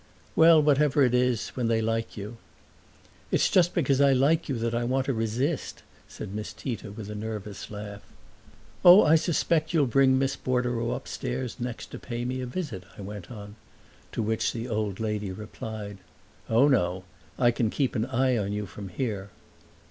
"Well, whatever it is, when they like you." "It's just because I like you that I want to resist," said Miss Tita with a nervous laugh. "Oh, I suspect you'll bring Miss Bordereau upstairs next to pay me a visit," I went on; to which the old lady replied: "Oh, no; I can keep an eye on you from here!"